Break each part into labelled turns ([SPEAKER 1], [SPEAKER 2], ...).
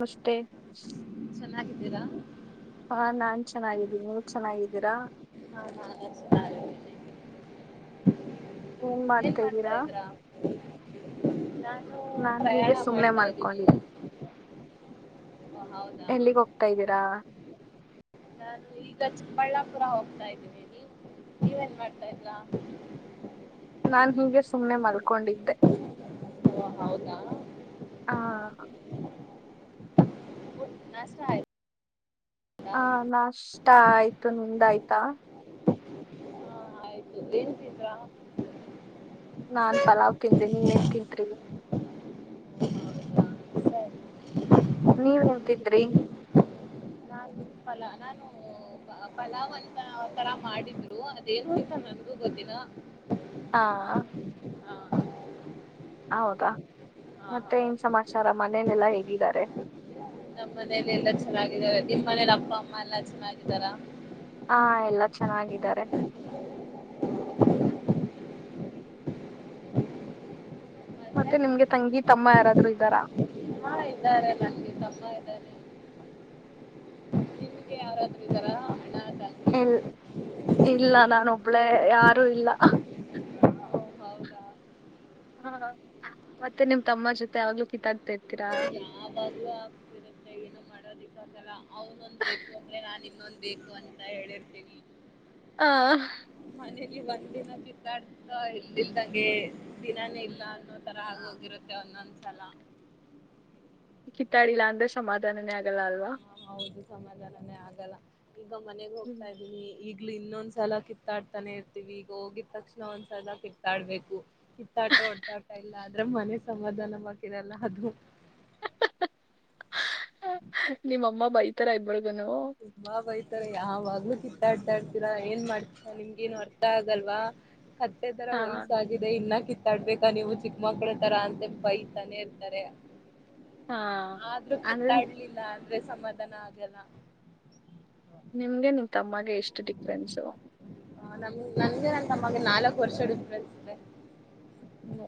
[SPEAKER 1] ನಮಸ್ತೆ
[SPEAKER 2] ಚೆನ್ನಾಗಿದ್ದೀರಾ
[SPEAKER 1] ಹಾ ನಾನ್ ಚೆನ್ನಾಗಿದ್ದೀನಿ ನೀವು ಚೆನ್ನಾಗಿದ್ದೀರಾ
[SPEAKER 2] ಹ್ಮ್ಮ್.. ಏನ್
[SPEAKER 1] ಮಾಡ್ತಾ ಇದ್ದೀರಾ
[SPEAKER 2] ಮಾಡ್ತಾ್ರ ನಾ
[SPEAKER 1] ನಾನ್ ಹೀಗೆ ಸುಮ್ಮನೆ ಮಲ್ಕೊಂಡಿದ್ದ
[SPEAKER 2] ಓ ಹೌದಾ?
[SPEAKER 1] ಎಲ್ಲಿಗೆ ಹೋಗ್ತಾ ಇದ್ದೀರಾ
[SPEAKER 2] ನಾನು ಈಗ ಚಿಕ್ಕಬಳ್ಳಾಪುರ ಹೋಗ್ತಾ ಇದ್ದೀನಿಿ ನೀವೇನ್ ಮಾಡ್ತಾ ಇದ್ರಾ
[SPEAKER 1] ನಾನ್ ಹೀಗೆ ಸುಮ್ನೆ ಮಲ್ಕೊಂಡಿದ್ದೆ
[SPEAKER 2] ಓ ಹೌದಾ
[SPEAKER 1] ಹಾ
[SPEAKER 2] ನಷ್ಟ
[SPEAKER 1] ಹಾ ನಾಶ್ ಆ ಆಯ್ತು ನಿಮ್ಧ್ ಆಯ್ತಾ
[SPEAKER 2] ರಾ
[SPEAKER 1] ನಾನ್ ಫಲಾವ್ ತಿಂಧ ನೀವ ಏನ್ ತಿಂತ್ರೀ
[SPEAKER 2] ಹೌದಾ? ಸರಿ
[SPEAKER 1] ನೀವ ಎಂತಿದ್ರಿ
[SPEAKER 2] ಪಲಾವ್ ನಾನು ಪಲಾವ್ ಅಂತ ತರ ಮಾಡಿದ್ರು ಅದೇನು ಆ ಅಂತ ನನ್ಗೂ ಗೊತ್ತಿಲ್ಲ
[SPEAKER 1] ಹಾ
[SPEAKER 2] ಹಾ
[SPEAKER 1] ಹೌದಾ
[SPEAKER 2] ಹಾ
[SPEAKER 1] ಮತ್ತೆ ಇನ್
[SPEAKER 2] ಹೌದು
[SPEAKER 1] ಸಮಾಚಾರ ಮನೇಲೆಲ್ಲಾ ಹೇಗಿದ್ದಾರೆ
[SPEAKER 2] ನಮ್ಮ ಮನೇಲಿ ಎಲ್ಲ ಚೆನ್ನಾಗಿದ್ದಾರೆ ನಿಮ್ ಮನೇಲಿ ಅಪ್ಪ ಅಮ್ಮ ಎಲ್ಲಾ ಚೆನ್ನಾಗಿದ್ದಾರ
[SPEAKER 1] ಹಾ ಎಲ್ಲ ಚೆನ್ನಾಗಿದ್ದಾರೆ ಮತ್ತೆ ನಿಮ್ಗೆ ತಂಗಿ ತಮ್ಮ ಯಾರಾದ್ರೂ ಇದ್ದಾರಾ
[SPEAKER 2] ಹಾ ಇದ್ದಾರೆ ನಂಗೆ ತಮ್ಮ ಇದ್ದಾರೆ ನಿಮ್ಗೆ ಯಾರಾದ್ರೂ ಇದ್ದಾರಾ ಅಣ್ಣ ತಂಗಿ
[SPEAKER 1] ಇಲ್ ಇಲ್ಲ ನಾನ ಒಬ್ಳೇ ಯಾರು ಇಲ್ಲ
[SPEAKER 2] ಓ, ಹೌದಾ
[SPEAKER 1] ಹಾ ಮತ್ತೆ ನಿಮ್ ತಮ್ಮ ಜೊತೆ ಯಾವಾಗ್ಲು ಕಿತಾಡ್ತಾ ಇರ್ತೀರಾ
[SPEAKER 2] ಬಲ್ಲ ಅವನೊಂದ್ ಬೇಕು ಆಂಧ್ರೆ ನಾನ್ ಇನ್ನೊಂದ್ ಬೇಕು ಅಂತ ಹೇಳಿರ್ತೀನಿ
[SPEAKER 1] ಹ
[SPEAKER 2] ಮನಲಿ ಒಂದ್ ದಿನ ಕಿತಾಡ್ತಾ ಇಲ್ದಲ್ದಂಗೆ ದಿನಾನೇ ಇಲ್ಲ ಅನ್ನೋ ತರ ಅಗೋಗಿರುತೆ ಒಂದೊಂದ್ಸಲ
[SPEAKER 1] ಕಿಥಾಡಿಲ್ಲಾ ಅಂದ್ರೆ ಸಮಾಧಾನೇ ಆಗ ಲ್ಲ ಅಲ್ವಾ
[SPEAKER 2] ಸಮಾಧಾನಾನೇ ಆಗಲ್ಲ ಈಗ ಮನೆಗೆ ಹೋಗ್ತಾ
[SPEAKER 1] ಹ್ಮ್.
[SPEAKER 2] ಇದೀನಿ ಈಗ್ಲು ಇನ್ನೊಂದ್ಸಲ ಕಿತ್ತಾಡ್ತಾನೆ ಇರ್ತಿವಿ ಈಗ ಹೋಗಿದ ತಕ್ಷಣ ಒಂದ್ಸಲ ಕಿತ್ತಾಡ್ಬೇಕು ಕಿತ್ತಾಟ ಹೊಡೆತಾಟ ಇಲ್ಲ ಆದ್ರೆ ಮನೆ ಸಮಾಧಾನ ವಗಿರಲ್ಲಾ ಅದು
[SPEAKER 1] ನಿಮ್ಮಮ್ಮ ಬೈತರ ಇಬರ್ಗನು
[SPEAKER 2] ತುಂಬಾ ಬೈತಾರೆ ಯಾವಾಗ್ಲು ಕಿತ್ತಾಡ್ತಾಡ್ತೀರಾ ಏನ್ ಮಾಡ್ತಿರಾ ನಿಮ್ಗ ಏನು ಅರ್ಥ ಆಗಲ್ವಾ ಕತ್ತೆ ತರ
[SPEAKER 1] ಹಾ
[SPEAKER 2] ವಯಸ್ಸಾಗಿದೆ ಇನ್ನ ಕಿತ್ತ ತಡ್ಬೇಕ ನೀವು ಚಿಕ್ಕ ಮಕ್ಳ ತರ ಅಂತ ಬೈತಾನೆ ಇರ್ತಾರೆ
[SPEAKER 1] ಹಾ
[SPEAKER 2] ಆದ್ರೂ
[SPEAKER 1] ಅಂದ್ರೆ
[SPEAKER 2] ಕಿತ್ತಾಡ್ಲಿಲ್ಲ ಆದ್ರೆ ಸಮಾಧಾನ ಆಗಲ್ಲ
[SPEAKER 1] ನಿಮ್ಗೆ ನಿ ತಮ್ಮಗೆ ಎಷ್ಟು ಡಿಫ್ರೆನ್ಸು
[SPEAKER 2] ಹ ನಮ ನನ್ಗೆ ನನ್ ತಮ್ಮಗೆ ನಾಲ್ಕು ವರ್ಷ ಡಿಫರೆನ್ಸ್ ಇದೆ
[SPEAKER 1] ಮೂ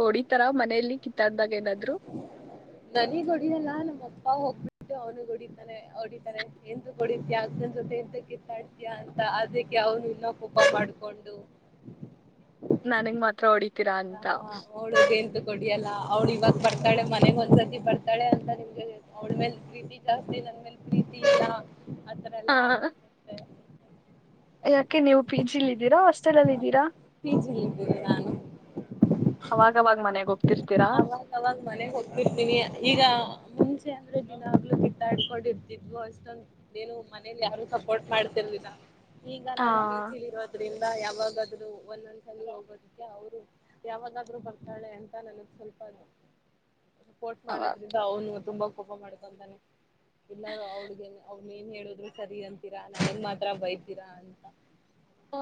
[SPEAKER 1] ಹೊಡಿತರ ಮನೆಯಲ್ಲಿ ಕಿತ್ತಾಡ್ದಾಗ ಏನಾದ್
[SPEAKER 2] ನನೀಗ್ ಹೊಡಿಯಲ್ಲ ನಮ್ಮತ್ತ ಅ ಹೋಗ್ಬಿಟ್ಟು ಅವ್ನುಗೆ ಹೊಡಿತಾನೆ ಹೊಡಿತಾನೆ ಹೆಂಧಕ್ಕೆ ಹೊಡಿಥಿಯಾ ಅಗ್ನ್ ಜೊತೆ ಎಂತ ಕಿತ್ತಾಡ್ತಿಯ ಅಂತ ಅದಕ್ಕೆ ಅವ್ನು ಇನ್ನ ಕೋಪ ಮಾಡ್ಕೊಂಡು
[SPEAKER 1] ನನ್ಗ್ ಮಾತ್ರ ಹೊಡಿ
[SPEAKER 2] ಹ ಅವಳ ಎಂತ ಕೊಡಿಯಲ್ಲ ಅವ್ಳ ಇವಾಗ ಬರ್ತ ರ್ತಳೆ ಮನೆ ಒಂದ್ಸತಿ ಬರ್ತಾಳೆ ಅಂತ ನಿಮ್ಗೆ ಅವಳ್ಮೇಲ್ ಪ್ರೀತಿ ಜಾಸ್ತಿ ಇಂದ್ಮೇಲ್ ಪ್ರೀತಿ ಇಲ್ಲ ಆತ್ರರ
[SPEAKER 1] ಹಾ
[SPEAKER 2] ಎಲ್ಲಾ ಆಗ್ತ ಇತ್ತೆ
[SPEAKER 1] ಯಾಕೆ ನೀವು ಪಿ ಜಿಲ್ ಇದ್ದೀರಾ ಹಾಸ್ಟೆಲ್ಲ್ಲಿ ಇದ್ದೀರಾ ಅವಾಗವಾಗ ಮನೆಗ್ ಹೋಗ್ತಿರ್ತೀರಾ?
[SPEAKER 2] ಅವಾಗಾಗ್ ಮನೆ ಹೋಗ್ತಿರ್ತೀನಿ ಈಗ ಮುಂಚೆ ಅಂದ್ರೆ ನೀನ್ಾಗ್ಲೂ ತಿದ್ದಾಡ್ಕೊಂಡ ಇರ್ತಿದ್ು ಅಷ್ಟೊಂದ ನೀನು ಮನೇಲಿ ಯಾರೂ ಸಪೋರ್ಟ್ ಮಾಡ್ತಿರ್ಲಿಲ್ಲ ಈಗ
[SPEAKER 1] ಹಾ
[SPEAKER 2] ನಾನ್ ಕತಿಿಲಿ ಇರೋದ್ರೆ ಯಾವಾಗಾದ್ೂ ಒಂದೊಂದ್ಸಲ ಹೋಗೋದಕ್ಕೆ ಅವರು ಯಾವಾಗಾದ್ರೂ ಬರ್ತಾಳೆ ಅಂತ ನನಗ್ ಸ್ವಲ್ಪಃ ರಿಪೋರ್ಟ್ ಮಾಡೋದ್ರಿಂದ ಅವನು ತುಂಬಾ ಕೋಪ ಮಾಡ್ಕೊಂತಾನೆ ಎಲ್ಲರೂ ಅವ್ರಗ ಅವ್ನ ಏನ್ ಹೇಳುದ್ರು ಸರಿ ಅಂತೀರಾ ನಾನ್ ಮಾತ್ರ ಬೈತೀರಾ ಅಂತ
[SPEAKER 1] ಹ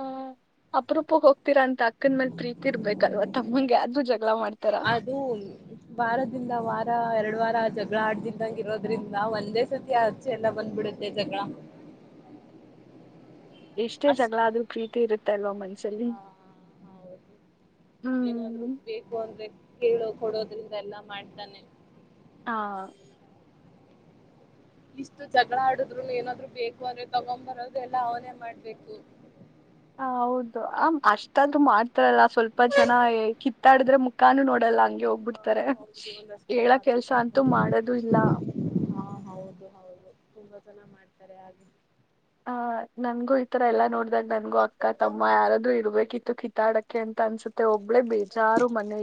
[SPEAKER 1] ಅಪ್ರೂಪ ಹೋಗ್ತೀರಾ ಅಂತ ಅಕ್ಕನ್ ಮೇಲ್ ಪ್ರೀತಿ ಇರ್ಬೇಕಲ್ವ ತಮ್ಮಂಗೆ ಆದಾದೂ ಜಗಳ ಮಾಡ್ತಾರ
[SPEAKER 2] ಅದು ವಾರದಿಂದ ವಾರ ಎರಡ್ ವಾರ ಜಗಳ ಆಡ್್ದಿನದಂಗ ಇರೋದ್ರಿಂದ ಒಂದೇ ಸತಿ ಅಚ್ಚೆ ಎಲ್ಲ ಬಂದ್ಬಿಡುತ್ತೆ ಜಗಳ
[SPEAKER 1] ಎಷ್ಟೇ
[SPEAKER 2] ಅಷ್ಟ
[SPEAKER 1] ಜಗಳಾದ್ರೂ ಪ್ರೀತಿ ಇರುತ್ತೆ ತಲ್ವ ಮಗ ಚಲ್ಲಿಿ
[SPEAKER 2] ಹಾ ಹೌದು ಏನಾದ್ರು ಬೇಕು ಅಂದ್ರೆ ಕೇಳೋ ಕೊಡೋದ್ರಿಂದ ಎಲ್ಲಾ ಮಾಡ್ತಾನೆ
[SPEAKER 1] ಹಾ
[SPEAKER 2] ಇಷ್ಟು ಜಗಳ ಆಡುದ್ರು ಏನಾದ್ರು ಬೇಕು ಅಂದ್ರೆ ತಗೊ್ಂಬರೋದು ಎಲ್ಲ ಅವನೇ ಮಾಡ್ಬೇಕು
[SPEAKER 1] ಹ ಹೌದು ಆ ಅಷ್ಟದು ಹಲ್ಲ ಸ್ವಲ್ಪ ಜನ ಕಿತ್ತಾಡಿದ್ರೆ ಮು ಕಾನು ನೋಡಲ್ಲ ಹಂಗೆ
[SPEAKER 2] ಹ
[SPEAKER 1] ಹೋಗ್ಬಿಡ್ತಾರೆ
[SPEAKER 2] ಹೌದು ಒಂದಷ್ಟು ಜನ
[SPEAKER 1] ಹೇಳ
[SPEAKER 2] ಹಾಗೆ
[SPEAKER 1] ಕೆಲ್ಸ ಅಂತೂ
[SPEAKER 2] ಮಾಡ್ತಾರೆ
[SPEAKER 1] ಮಾಡದು ಇಲ್ಲ
[SPEAKER 2] ಸಲ ಮಾಡ್ತಾರೆ ಹಾಗ
[SPEAKER 1] ಹ ನನ್ಗೂ ಈತರ ಎಲ್ಲಾ ನೋಡ್ದಾಗ ನನ್ಗೂ ಅಕ್ಕ ತಮ್ಮ ಯಾರಾದೂ ಇರ್ಬೇಕಿತ್ತು ಕಿಿತಾಡಕ್ಕೆ ಅಂತ ಅನ್ಸತ್ತೆ ಹೋಗ ಳೆ ಬಚಾರು ಮನೆ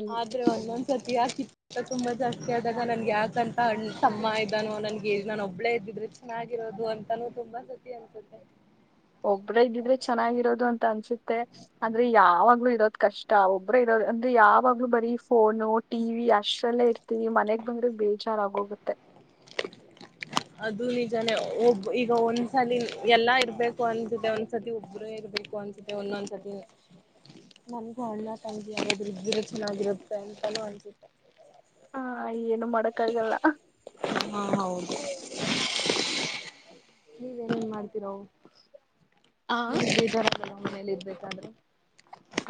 [SPEAKER 2] ಅಂತ ತುಂಬಾ ಜಾಸ್ತಿ ಆದಾಗ ನನ್ಗೆ ಯಾಕಂತ ಹಣ ತಮ್ಮ ಇದ್ದಾನೋ ನನ್ಗೆ ನಾನ ಒಬ್ಬಳೇ ಇದ್ದಿದ್ರೆ ಚೆನ್ನಾಗಿರೋದು ಅಂತಾನೂ ತುಂಬಾ ಸತಿ ಅನ್ಸುತ್ತೆ
[SPEAKER 1] ಒಬ್ಬ್ರ ಇದ್ದಿದ್ರೆ ಚೆನ್ನಾಗಿರೋದು ಅಂತ ಅನ್ಸುತ್ತೆ ಅಂದ್ರೆ ಯಾವಾಗ್ಲೂ ಇರೋದ್ ಕಷ್ಟ ಒಬ್ಬ್ರ ಇರೋದ ಅಂದ್ರೆ ಯಾವಾಗ್ಲೂ ಬರೀ ಫೋನು ಟಿವ ವಿ ಅಷ್ಟ್ರಲ್ಲೇ ಇರ್ತೀವಿ ಮನೆಗ್ ಬಂದ್ರ ಬೇಜಾರಾಗೋಗುತ್ತೆ
[SPEAKER 2] ಅದು ನಿಜಾನೇ ಒಬ ಈಗ ಒಂದ್ಸಲ ಎಲ್ಲಾ ಇರ್ಬೇಕು ಅನ್ಸುತ್ತೆ ಒಂದ್ಸತಿ ಒಬರ ಇರ್ಬೇಕು ಅನ್ಸುತ್ತೆ ಒಂದೊಂದ್ಸತಿ ನನ್ಗ ಅಣ್ಣ ತಂಗಿ ನಾದ್ರು ಇದರ ಚೆನ್ನಾಗಿರುತ್ತೆ ಅಂತಾನೂ ಅನ್ಸುತ್ತೆ
[SPEAKER 1] ಹಾ ಏನು ಮಾಡಕ್ಕಾಗಲ್ಲ
[SPEAKER 2] ಹಾ ಹೌದು ನೀವೇನೇನ್ ಮಾಡ್ತೀರೋ
[SPEAKER 1] ಆ
[SPEAKER 2] ಹ್ಮ ಬರಲ್ಲ ಮನೇಲಿ ಪಂದ್ರ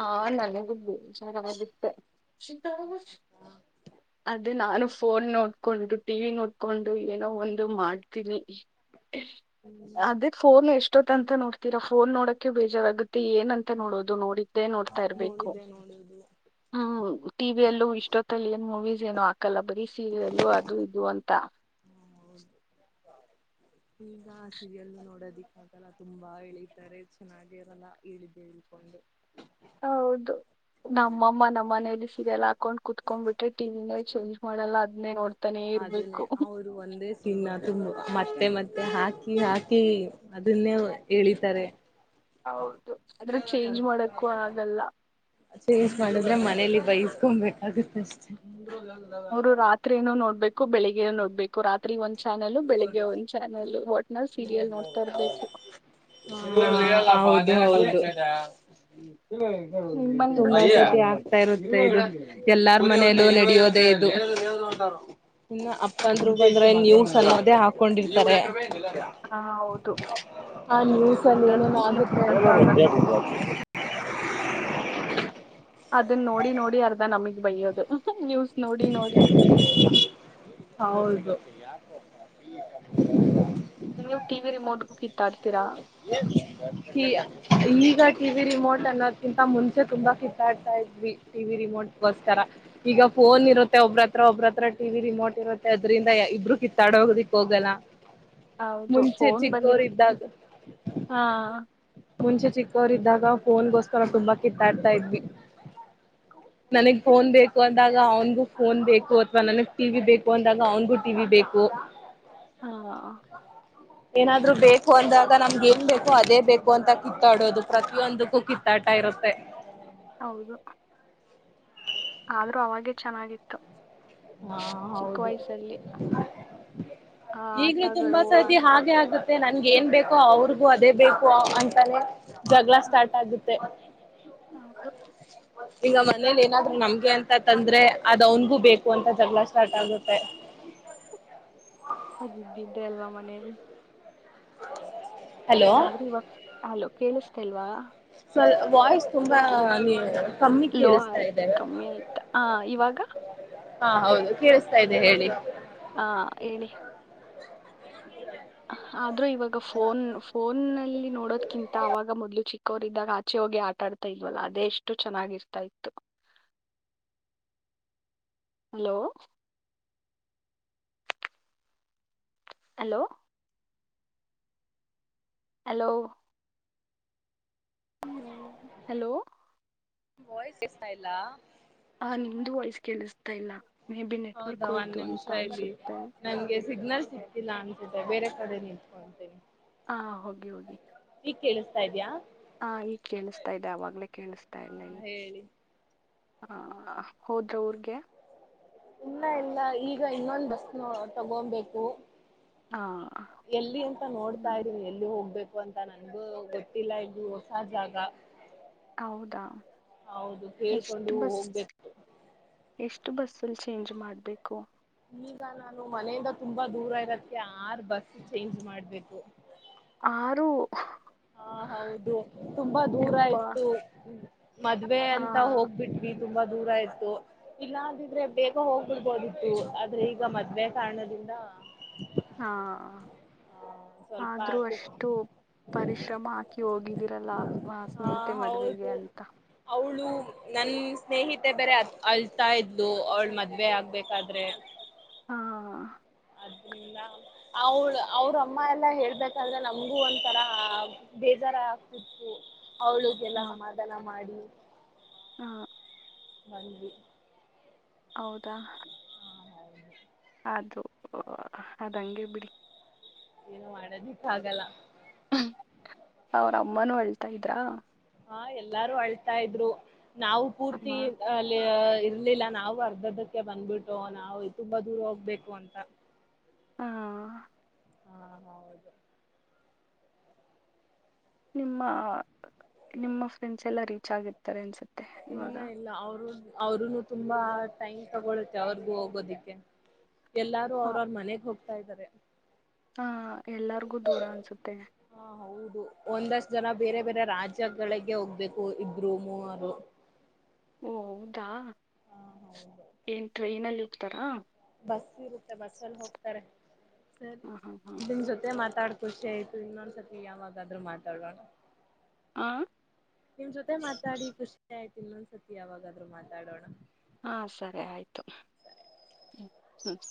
[SPEAKER 1] ಹಾ ನನಗೂ ಬೇ ಚನ್ನಾಗುತ್ತೆ ಅದ ನಾನು ಫೋನ್ ನೋಡ್ಕೊಂಡು ಟಿವ ವಿ ನೋಡ್ಕೊಂಡು ಏನೋ ಒಂದು ಮಾಡ್ತೀನಿ
[SPEAKER 2] ಹ್ಮ್
[SPEAKER 1] ಅದೇ ಫೋನ್ ಎಷ್ಟ ಹೊತ್ ಅಂತ ನೋಡ್ತೀರಾ ಫೋನ್ ನೋಡಕೆ ಬೇಜಾರಾಗುತ್ತೆ ಏನಂತ
[SPEAKER 2] ಹಾ
[SPEAKER 1] ನೋಡೋದು ನೋಡಿ ನೋಡ್ತಾ ಇಬೇಕ
[SPEAKER 2] ನೋಡಿದ್ದೆ ನೋಡುದು
[SPEAKER 1] ಹ್ಮ ಟಲ್ಲೂ ಇ ೀಸ್ಏನನು ಹಾಕಲ್ಲ ಬೀಸ ಎಲ್ಲೂ ಅದು ಇದು ಅಂತ ತಾ
[SPEAKER 2] ಹೌದು ಈಗ ಆ ಸೀರಿಯಲ್ ನೋಡೋದಿಕ್ಕಾಗಲ್ಲ ತುಂಬಾ ಎಳಿತಾರೆ ಚೆನ್ನಾಗಿರಲ್ಲ ಇಳ್ದು ಇಳ್ಕೊಂಡು
[SPEAKER 1] ಹೌದು ನಮ್ಮಮ್ಮ ನಮ್ಮ ಮನೇಲಿ ಸೀರಿಯಲ್ ಒಲ್ಲ
[SPEAKER 2] ಅದನ್ನೇ ಅವ್ರು ಒಂದೇ ಸೀನ್ ತುಂಬ ಮತ್ತೆ ಮತ್ತೆ ಮತ್ತೆ ಹಾಕಿ ಹಾಕಿ ಅದನ್ನೇ ಎಿತಾರೆ
[SPEAKER 1] ಹೌದು ಆದ್ರೆ ಚೇಂಜ್ ಮಾಡಕ್ಕೂ ಆಗಲ್ಲ
[SPEAKER 2] ಚೇಂಜ್ ಮಾಡಿದ್ರೆ ಮನೇಲಿ ಬೈಸ್ಕೊಬೇಕಾಗುತ್ತೆ ಅಷ್ಟೆ
[SPEAKER 1] ಅವರು ರಾತ್ರಿ ಏನ ನೋಡ್ಬೇಕು ಬೆಳಿಗ್ಗೆ ನೋಡ್ಬೇಕು ರಾತ್ರಿ ಒಂದು
[SPEAKER 2] ಹ್ಮ್
[SPEAKER 1] ಸೀರಿಯಲ್
[SPEAKER 2] ಹಾ
[SPEAKER 1] ನೋಡ್ತಾ ಇರ್ಬೇಕು ನಿಮ್ಮನೇಲೂ ಇದೇ ತರ
[SPEAKER 2] ತುಂಬಾತಿ ಆಗ್ತಾ ಇರುತ್ತೆ ಇದು ಎಲ್ಲ ಮನ ನಡದ ಇ ಇ ಅಪ್ಪ ಅಂದರು ಬಂದ್ರೆ ನೀ ಚಲದೇ ಹಾಕೊಂಡಿರ್ತಾರೆ
[SPEAKER 1] ಹಾ ಹೌದು
[SPEAKER 2] ಆ ನ್ಯೂಸ್ಲ್ಲಿ
[SPEAKER 1] ಅದಂತೂ
[SPEAKER 2] ಏನೇನು
[SPEAKER 1] ಇಲ್ಲೂ ನೋಡಕ್
[SPEAKER 2] ಆಗುತ್ತೆ
[SPEAKER 1] ಆಗಲ್ಲ ಅದನ್ನ ನೋಡಿ ನೋಡಿ ಅರ್ಧ ನಮಗ್ ಬಯ್ಯೋದು ನೋಡಿ ನೋಡಿ
[SPEAKER 2] ಹೌದು
[SPEAKER 1] ನೀವು ಟಿವಿ ರಿಮೋಟ್ಗೂ ಕಿತ್ತಾಡ್ತೀರಾ
[SPEAKER 2] ಯ ಈಗ ಟಿವಿ ರಿಮೋಟ್ ಅನ್ನೋದ್ಕಿಂತ ಮುಂಚೆ ತುಂಬಾ ಕಿತ್ತಾಡ್ತಾ ಇದ್ವಿ ಟಿವಿ ರಿಮೋಟ್ಗೋಸ್ಕರ ಈಗ ಫೋನ್ ಇರುತ್ತೆ ಒಬ್ಬ್ರ ಹತ್ರ ಒಬ್ಬ್ರತ್ರ ಟಿ ರಿಮೋಟ್ ರುತ್ತೆ ಅದ್ರಿಂದ ಇಬ್ಬರು ಕಿತ್ತಾಡ ಹೋಗದಿಕ್ ಹೋಗಲ್ಲ
[SPEAKER 1] ಹೌದು
[SPEAKER 2] ಮುಂಚೆ
[SPEAKER 1] ಫೋನ್
[SPEAKER 2] ಚಿಕ್ಕೋರ್
[SPEAKER 1] ಬಂದಿರತ್ತೆ
[SPEAKER 2] ಇದ್ದಾಗ
[SPEAKER 1] ಹಾ
[SPEAKER 2] ಮುಂಚೆ ಚಿಕ್ಕವರ ಇದಾಗ ಫೋನ್ಗೋಸ್ಕರ ನಾವು ತುಂಬಾ ಕಿತ್ತಾಡ್ತಾ ಇದ್ವಿ ನನಗ್ ಫೋನ್ ಬೇಕು ಅಂದಾಗ ಅವನ್ಗೂ ಫೋನ್ ಬೇಕು ಅಥವಾ ನನಗ್ ಟಿವಿ ಬೇಕು ಅಂದಾಗ ಅವ್ನ್ಗು ಟಿವಿ ಬೇಕು
[SPEAKER 1] ಹಾ
[SPEAKER 2] ಏನಾದ್ರು ಬೇಕು ಅಂದಾಗ ನಮ್ಗೆಗ್ ಏನ್ ಬೇಕೋ ಅದೇ ಬೇಕು ಅಂತ ಕಿತ್ತಾಡೋದು ಪ್ರತಿಯೊಂದಕ್ಕೂ ಕಿತ್ತಾಟ ಇರುತ್ತೆ
[SPEAKER 1] ಹೌದು ಆದ್ರೂ ಅವಾಗೆ ಚೆನ್ನಾಗಿತ್ತು
[SPEAKER 2] ಹಾ
[SPEAKER 1] ಚಿಕ್ಕ
[SPEAKER 2] ಹೌದು
[SPEAKER 1] ವಯಸ್ಸಲ್ಲಿ ಆ
[SPEAKER 2] ಈಗ್ಲೂ ತುಂಬಾ
[SPEAKER 1] ಆಟಗಳು ಆ
[SPEAKER 2] ಸತಿ ಹಾಗೆ ಆಗ ಮತ್ತೆ ನನ್ಗ ಏನ್ ಬೇಕೋ ಅವ್ರಿಗೂ ಅದೇ ಬೇಕು ಅಂತಾನೆ ಜಗಳ
[SPEAKER 1] ಹಾ,
[SPEAKER 2] ಸ್ಟಾರ್ಟ್ ಆಗುತ್ತೆ
[SPEAKER 1] ಹೌದು
[SPEAKER 2] ಈಗ ಮನೇಲಿ ಏನಾದ್ರು ನಮ್ಗೆ ಅಂತ ತಂದ್ರೆ ಅದ್ ಅವನ್ಗೂ ಬೇಕು ಕಂತ ಜಗ್ಲ ಸ್ಟಾರ್ಟ ಆಗತ
[SPEAKER 1] ಅದ್ದಿದ್ದೆ ಅಲ್ವಾ ಮನೇಲಿ
[SPEAKER 2] ಹಲೋ
[SPEAKER 1] ಆದ್ರೆ ಇವಾಗ ಆಲೋ ಕೇಳಿಸತೇ ಅಲ್ವಾ
[SPEAKER 2] ಸ ವಾಯ್ಸ್ ತುಂಬಾ ನೀ ಕಮ್ಮಿ
[SPEAKER 1] ಲೋ
[SPEAKER 2] ಕೇಳಿಸ್ತಾ
[SPEAKER 1] ಆಯ್ತು
[SPEAKER 2] ಇದೆ
[SPEAKER 1] ಕಮ್ಮಿ ಆಯ್ತಾ ಹ ಇವಾಗ
[SPEAKER 2] ಹಾ ಹೌದು ಕೇಳಿಸ್ತಾ ಇ್ದ ಹೇಳಿ
[SPEAKER 1] ಹಾ ಹೇಳಿ
[SPEAKER 2] [unintelligible]
[SPEAKER 1] ಆದ್ರೂ ಇವಾಗ ಫೋನ್ ಫೋನ್ಲ್ಲಿ ನೋಡೋದ್ಕಿಂತ ಅವಾಗ ಮೊದ್ಲು ಚಿಕ್ಕವರಿದ್ದಾಗ ಆಚೆ ಹೋಗಿ ಆಟಾಡ್ತಾ ಇಲ್ವಲ್ಲ ಅದೇ ಎಷ್ಟು ಚೆನ್ನಾಗಿರ್ತಾ ಇತ್ತು ಹಲೋ ಹಲೋ ಹಲೋ ಹ್ಮ ಹಲೋ
[SPEAKER 2] ನಿಮ ವಾಯ್ಸ್ ಎಷ್ಟ ಇಲ್ಲ
[SPEAKER 1] ಆ ನಿಮ್ದು ವಯಸ್ ಕೇಳಿಸ್ತಾ ಇಲ್ಲ ಮೇ ಬಿ
[SPEAKER 2] ಹೌದಾ
[SPEAKER 1] ನೆಟ್ವರ್ಕ್ ಹೋಯ್ತು ಅಂತ ಅನ್ಸುತ್ತೆ
[SPEAKER 2] ಸಿಗ್ನಲ್ಸ್ ಹೇತಿಲ್ಲ ಅನ್ಸಿದೆ ಬೇರೆ ಕಡೆ ನಿಂತ್ಕೊಂತೀನಿ
[SPEAKER 1] ಹಾ ಹೋಗಿ ಹೋಗಿ
[SPEAKER 2] ಈಗ ಕೇಳಿಸ್ತಾ ಇದ್ಯಾಾ
[SPEAKER 1] ಹಾ ಈಗ್ ಕೇಳಿಸ್ತಾ ಇದೆ ಅವವಾಗ್ಲೇ ಕೇಳಿಸ್ತ
[SPEAKER 2] ಹಾ ಹೇಳಿ
[SPEAKER 1] ಹ ಹೋದ್ರ ಊರ್ಗೆ
[SPEAKER 2] ಇಲ್ಲ ಇಲ್ಲ ಈಗ ಇನ್ನೊಂದು ಬಸ್ನ ತಗೋಬೇಕು
[SPEAKER 1] ಆ
[SPEAKER 2] ಎಲ್ಲಿ ಅಂತ ನೋಡ್ತಾ
[SPEAKER 1] ಹ್ಮ್
[SPEAKER 2] ಇದೀವಿ ಎಲ್ಲಿ ಹೋಗ್ಬೇಕು ಅಂತ ನನ್ಗು ಗೊತ್ತಿಲ್ಲ ಇದು ಹೊಸ ಜಾಗ
[SPEAKER 1] ಹೌದಾ
[SPEAKER 2] ಹೌದು ಕೇಳ್ಕೊಂಡು
[SPEAKER 1] ಎಷ್ಟ ಬಸ್
[SPEAKER 2] ಹೋಗ್ಬೇಕು
[SPEAKER 1] ಎಷ್ಟು ಬಸ್ಸಲ್ಲಿ ಚೇಂಜ್ ಮಾಡ್ಬೇಕು
[SPEAKER 2] ಈಗ ನಾನು ಮನೆಯಿಂದ ತುಂಬಾ ದೂರ ಇರೋದಕ್ಕೆ ಆರ್ ಬಸ್ ಚೇಂಜ್ ಮಾಡ್ಬೇಕು
[SPEAKER 1] ಆರು
[SPEAKER 2] ಹಾ ಹೌದು ತುಂಬಾ ದೂರ
[SPEAKER 1] ಯಪ್ಪಾ
[SPEAKER 2] ಇ್ತು ಮದ್ವೆ
[SPEAKER 1] ಹಾ
[SPEAKER 2] ಅಂತ ಹೋಗ್ಬಿಟ್ವಿ ತುಂಬಾ ದೂರ ಇತತ್ತು ಇಲ್ಲಾ ಅಂದಿದ್ರೆ ಬೇಗ ಹೋಗ್ಬಿಡ್ಬೋದಿತ್ತು ಆದ್ರೆ ಈಗ ಮದ್ುವೆ ಕಾರಣದಿಂದ
[SPEAKER 1] ಹಾ
[SPEAKER 2] ಸ್ವಲ್ಪ
[SPEAKER 1] ಆದ್ರೂ
[SPEAKER 2] ಅದು
[SPEAKER 1] ಅಷ್ಟು ಪರಿಶ್ರಮ ಹಾಕಿ ಹೋಗಿದ್ದಿರಲ್ಲ
[SPEAKER 2] ಹಾ
[SPEAKER 1] ಸ್ನೇಹಿತೆ ಮದುವೆಗೆ
[SPEAKER 2] ಹೌದು.
[SPEAKER 1] ಅಂತ
[SPEAKER 2] ನನ್ ಸ್ನೇಹಿತೆ ಬೇರೆ ಅ ಅಲ್ತಾ ಇದ್ಲು ಅವಳ ಮದ್ವೆ ಆಗ್ಬೇಕಾದ್ರೆ
[SPEAKER 1] ಹಾ
[SPEAKER 2] ಆದ್ರಿಂದ ಅವ ಅವ್ರ ಅಮ್ಮ ಎಲ್ಲಾ ಹೇಳ್ಬೇಕಂದ್ರೆ ನಮ್ಗೂ ಒಂಥರಾ ಬೇಜಾರ ಆಗ್ತಿತ್ತು ಅವಳಗೆಲ್ಲ
[SPEAKER 1] ಹಾ
[SPEAKER 2] ಸಮಾಧಾನ ಮಾಡಿ
[SPEAKER 1] ಹಾ
[SPEAKER 2] ಒ
[SPEAKER 1] ಹೌದಾ
[SPEAKER 2] ಹೌದು
[SPEAKER 1] ಅದು ಅದ ಹಂಗೆ ಬಿಡಿ
[SPEAKER 2] ಏನು ಮಾಡೋದಿಟ್ಟ ಆಗಲ್ಲ
[SPEAKER 1] ಅವ್ರ ಅಮ್ಮನೂ ಹಳ್ತಾ ಇದ್ರಾ
[SPEAKER 2] ಹಾ ಎಲ್ಲಾರು ಅಳ್ತಾ ಇದ್ರು ನಾವು ಪೂರ್ತಿ
[SPEAKER 1] ಹಾ
[SPEAKER 2] ಅಲ್ಲಿ ಬರ್ಲಿಲ್ಲ ನಾವು ಅರ್ಧದಧಕ್ಕೆ ಬಂದ್ಬಿಟ್ಟು ನಾವು ತುಂಬಾ ದೂರ ಹೋಗ್ಬೇಕು ಅಂತ
[SPEAKER 1] ಹಾ
[SPEAKER 2] ಹಾ ಹೌದು
[SPEAKER 1] ನಿಮ್ಮ ನಿಮ್ಮ ಫ್ರೆಂಡ್ಸ್ ಎಲ್ಲ ರೀಚ್ ಆಗಿರ್ತಾರೆ ಅನ್ಸುತ್ತೆ ಇವಾಗ
[SPEAKER 2] ಅವರುನು ತುಂಬಾ ಟೈಮ್ ತಗೊೊಳ್ಳುತ್ತೆ ಅವ್ರಿಗೂ ಹೋಗೋದಿಕ್ಕೆ ಎಲ್ಲಾರು ಅವ್ರ ಅವ್ರ ಮನೆಗೆ ಹೋಗತಾರೆ ಹತಾ ಇದ್ದಾರೆ
[SPEAKER 1] ಹಾ ಎಲ್ಲರಿಗೂ ದೂರ ಅನ್ಸುತ್ತೆ
[SPEAKER 2] ಹಾ ಹೌದು ಒಂದಷ್ಟ ಜನ ಬೇರೆ ಬೇರೆ ರಾಜ್ಯಗಳಿಗೆ ಹೋಗ್ಬೇಕು ಇಬ್ರು ಮೂರು
[SPEAKER 1] ಓ ಹೌದಾ
[SPEAKER 2] ಹೌದು
[SPEAKER 1] ಏನ್ ಟ್ರೈನಲ್ಲಿ ಹೋಗ್ತಾರಾ
[SPEAKER 2] ಬಸ್ ಇರುತ್ತೆ ಬಸ್ಸಲ್ಲಿ ಹೋಗ್ತಾರೆ ಸರಿ
[SPEAKER 1] ಹಾ ಹಾ ಹಾ
[SPEAKER 2] ನಿನ್ ಜೊತೆ ಮಾತಾಡ್ತ ಖುಷಿ ಆಯ್ತು ಇನ್ನೊಂದ್ಸತಿ ಯಾವಾಗಾದ್ರೂ ಮಾತಾಡೋಣ
[SPEAKER 1] ಹ
[SPEAKER 2] ನಿಮ್ ಜೊತೆ ಮಾತಾಡಿ ಖುಷಿ ಆಯ್ತು ಇನ್ನೊಂದ್ಸತಿ ಯಾವಾಗಾದ್ರೂ ಮಾತಾಡೋಣ
[SPEAKER 1] ಹಾ ಸರಿ ಆಯ್ತು ಹ್ಮ್